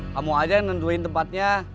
kamu aja yang nentuin tempatnya